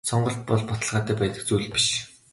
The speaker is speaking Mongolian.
Сонголт бол үргэлж баталгаатай байдаг зүйл биш.